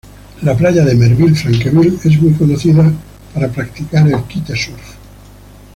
La playa de Merville-Franceville es muy conocida para practicar el kitesurf.